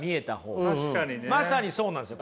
まさにそうなんですよ。